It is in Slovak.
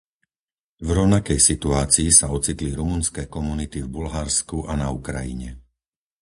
V rovnakej situácii sa ocitli rumunské komunity v Bulharsku a na Ukrajine.